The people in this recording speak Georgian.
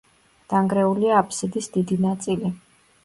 დანგრეულია აბსიდის დიდი ნაწილი.